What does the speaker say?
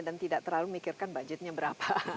dan tidak terlalu memikirkan budgetnya berapa